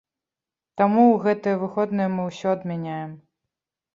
Таму ў гэтыя выходныя мы ўсё адмяняем.